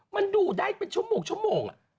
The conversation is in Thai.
มันดูได้เป็นชั่วโมง